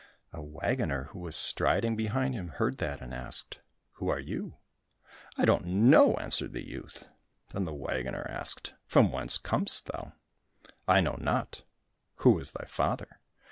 A waggoner who was striding behind him heard that and asked, "Who are you?" "I don't know," answered the youth. Then the waggoner asked, "From whence comest thou?" "I know not." "Who is thy father?"